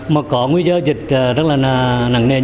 mà có nguyên do dịch rất là nặng nền